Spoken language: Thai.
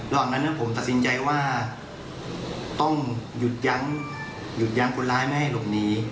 แล้วหลังนั้นผมตัดสินใจว่าต้องหยุดย้างคนร้ายไม่ให้หลบหนี